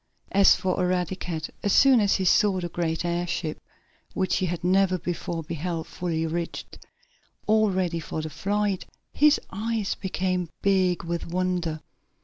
As for Eradicate, as soon as he saw the great airship, which he had never before beheld fully rigged, all ready for a flight, his eyes became big with wonder.